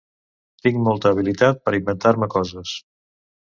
Tinc molta habilitat per inventar-me coses.